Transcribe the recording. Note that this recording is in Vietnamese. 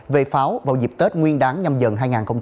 về pháo vào dịp tết nguyên đáng nhâm dần hai nghìn hai mươi hai